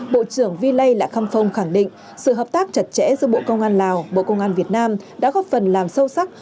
bộ trưởng vi lây lạ khăm phong khẳng định sự hợp tác chặt chẽ giữa bộ công an lào bộ công an việt nam đã góp phần làm sâu sắc